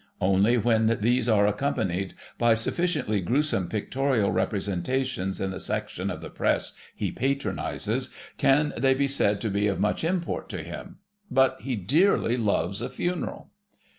Only when these are accompanied by sufficiently gruesome pictorial representations in the section of the press he patronises can they be said to be of much import to him. But he dearly loves a funeral.